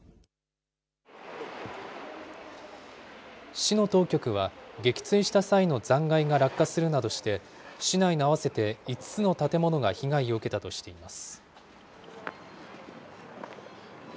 市の当局は、撃墜した際の残骸が落下するなどして、市内の合わせて５つの建物が被害を受けたとしています。